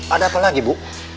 ada apa lagi bu